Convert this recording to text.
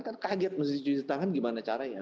kan kaget mesti cuci tangan gimana caranya